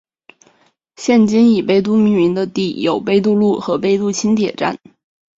现今以杯渡命名的地有杯渡路和杯渡轻铁站。